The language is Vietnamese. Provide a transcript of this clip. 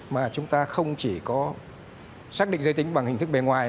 mà chúng ta không chỉ có xác định giới tính bằng hình thức bề ngoài